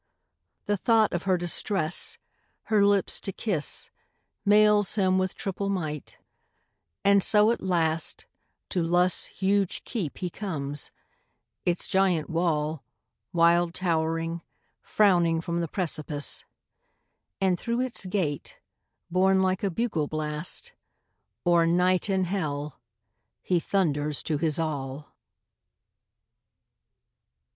The thought of her distress, her lips to kiss, Mails him with triple might; and so at last To Lust's huge keep he comes; its giant wall, Wild towering, frowning from the precipice; And through its gate, borne like a bugle blast, O'er night and hell he thunders to his all.